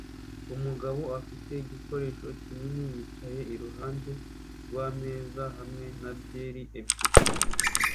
Umugabo afite igikoresho kinini yicaye iruhande rwameza hamwe na byeri ebyiri